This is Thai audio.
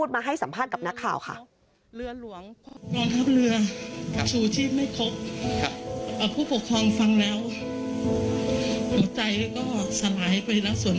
มาให้สัมภาษณ์กับนักข่าวค่ะ